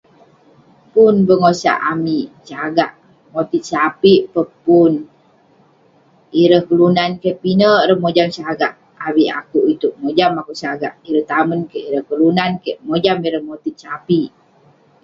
Pun bengosak amik sagak, motit sapik peh pun. Ireh kelunan kek, pinek ireh mojam sagak, avik akouk itouk mojam akouk sagak. Ireh tamen kek, kelunan kek, mojam ireh motit sapik.